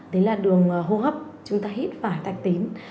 đấy là đường hô hấp chúng ta hít phải thạch tín